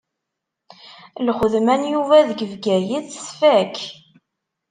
Lxedma n Yuba deg Bgayet tfakk.